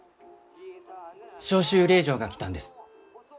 召集令状が来たんです。